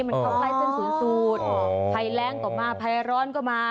มันเข้าใกล้เต้นสูงสูตรอ๋อไฟแรงก็มาไฟร้อนก็มา